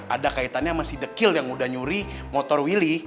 ada kaitannya sama si dekil yang udah nyuri motor willy